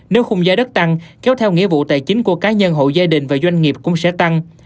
nếu khung giá đất tăng kéo theo nghĩa vụ tài chính của cá nhân hộ gia đình và doanh nghiệp cũng sẽ tăng